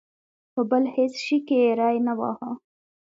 په بل هېڅ شي کې یې ری نه واهه.